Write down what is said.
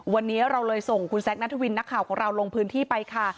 วันนี้เราเลยส่งคุณแซคนัทวินนักข่าวของเราลงพื้นที่ไปค่ะ